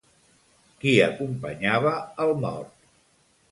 Qui acompanyava el mort?